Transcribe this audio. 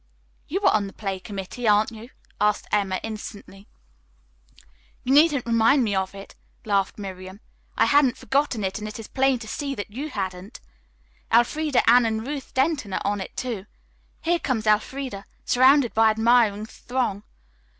"You are on the play committee, aren't you?" asked Emma innocently. "You needn't remind me of it," laughed Miriam. "I hadn't forgotten it, and it is plain to be seen that you hadn't. Elfreda, Anne and Ruth Denton are on it, too. Here comes Elfreda, surrounded by an admiring throng.